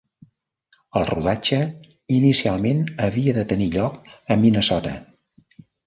El rodatge inicialment havia de tenir lloc a Minnesota.